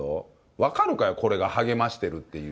分かるかよ、これが励ましているっていう。